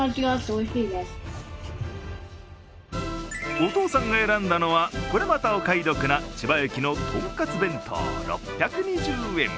お父さんが選んだのはこれまたお買い得な千葉駅のトンかつ弁当、６２０円。